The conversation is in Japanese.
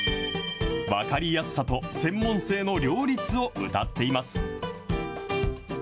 分かりやすさと専門性の両立をうたっています。